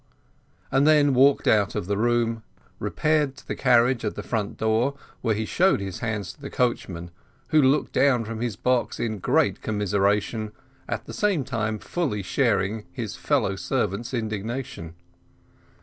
and then walked out of the room, repaired to the carriage at the front door, when he showed his hands to the coachman, who looked down from his box in great commiseration, at the same time fully sharing his fellow servant's indignation.